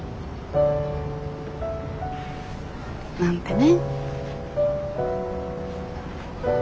なんてね。